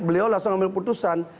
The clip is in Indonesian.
beliau langsung ambil putusan